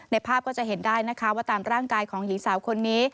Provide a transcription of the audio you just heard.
ภาพก็จะเห็นได้นะคะว่าตามร่างกายของหญิงสาวคนนี้